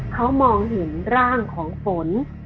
เขามองเห็นร่างของฝน